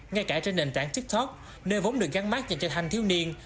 ngay cả trên nền tảng tiktok nơi vốn được gắn mắt dành cho thành thiếu niên